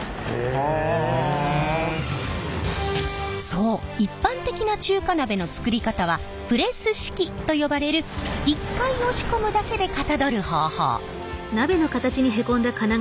そう一般的な中華鍋の作り方はプレス式と呼ばれる１回押し込むだけでかたどる方法。